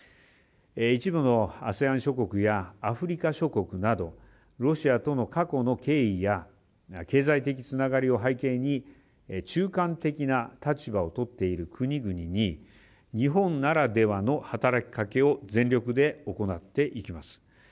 一部のＡＳＥＡＮ諸国やアフリカ諸国などロシアとの過去の経緯や経済的つながりを背景に中間的な立場をとっている国々に日本ならではの働きかけを全力で行っていきます。